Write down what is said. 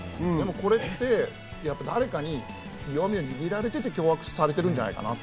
これって誰かに弱みを握られていて、脅迫されてるんじゃないかと。